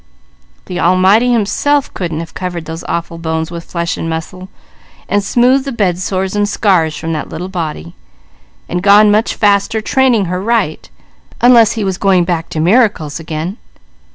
The Almighty Himself couldn't have covered those awful bones with flesh and muscle, and smoothed the bed sores and scars from that little body; and gone much faster training her right, unless He was going back to miracles again.